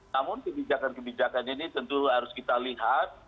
namun kebijakan kebijakan ini tentu harus kita lihat